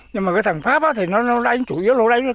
ném bao nhiêu lần cũng không rơi vào được